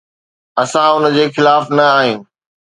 اسان ان جي خلاف نه آهيون.